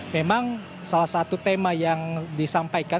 memang salah satu tema yang disampaikan